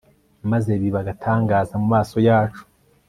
maze biba agatangaza mu maso yacu